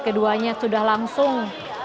keduanya sudah langsung